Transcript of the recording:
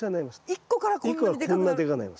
一個からこんなにでかくなる？